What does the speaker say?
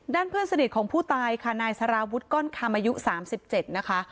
เพื่อนสนิทของผู้ตายค่ะนายสารวุฒิก้อนคำอายุ๓๗นะคะ